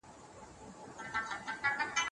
په میټینګونو کي د عقیدې او ملت سپکاوی کېده.